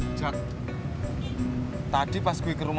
neng ani sibuk bos